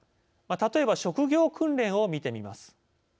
例えば、職業訓練を見てみます。